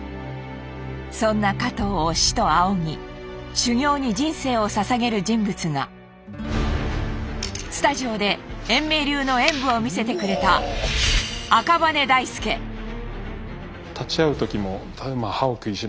そんな加藤を師と仰ぎ修行に人生をささげる人物がスタジオで円明流の演武を見せてくれた力